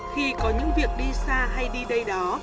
khi có những việc đi xa hay đi đây đó